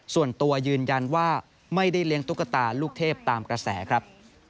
ส่วนตัวยืนยันว่าไม่ได้เลี้ยงตุ๊กตาลูกเทพตามกระแสครับ